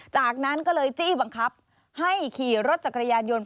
จากนั้นก็เลยจี้บังคับให้ขี่รถจักรยานยนต์